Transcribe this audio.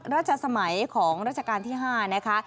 ราชสมัยของราชการที่๕นะคะ